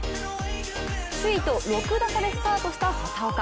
首位と６打差でスタートした畑岡。